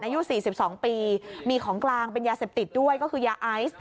อายุ๔๒ปีมีของกลางเป็นยาเสพติดด้วยก็คือยาไอซ์